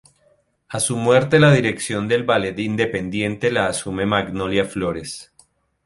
A su muerte la dirección del Ballet Independiente la asume Magnolia Flores.